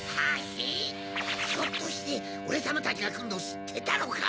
ひょっとしてオレさまたちがくるのをしってたのか？